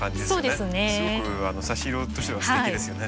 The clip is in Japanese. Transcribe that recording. すごく差し色としてはすてきですよね。